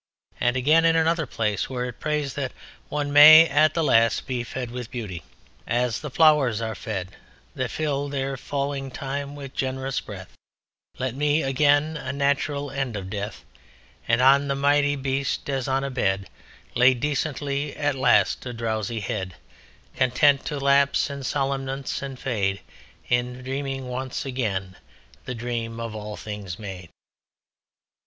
And again, in another place, where it prays that one may at the last be fed with beauty ... as the flowers are fed That fill their falling time with generous breath: Let me attain a natural end of death, And on the mighty breast, as on a bed, Lay decently at last a drowsy head, Content to lapse in somnolence and fade In dreaming once again the dream of all things made.